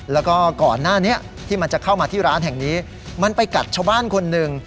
แล้วก็ก่อนหน้านี้ที่มันจะเข้ามาที่ร้านแห่งนี้มันไปกัดชาวบ้านคนหนึ่ง